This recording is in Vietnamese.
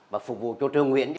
và phục vụ cho trương nguyễn